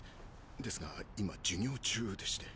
ですが今授業中でして。